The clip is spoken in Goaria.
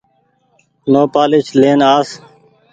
نوپآليس لين آس ۔